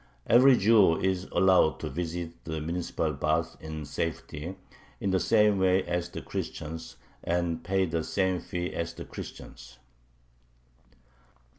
Every Jew is allowed to visit the municipal baths in safety, in the same way as the Christians, and pay the same fee as the Christians."